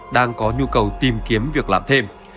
đang có nhu cầu tìm kiếm việc làm thêm